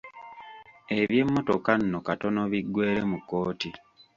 Eby'e mmotoka nno katono biggwere mu kkooti.